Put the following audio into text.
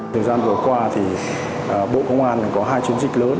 thời gian vừa qua thì bộ công an có hai chiến dịch lớn